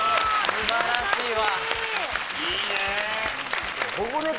素晴らしいな。